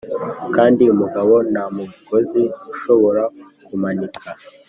kandi umugabo nta mugozi ushobora kumanika